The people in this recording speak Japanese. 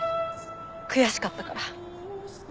悔しかったから。